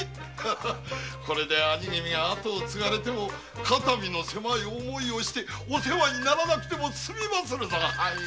これで兄君が跡を継がれても肩身の狭い思いをしてお世話にならなくて済みまするぞ。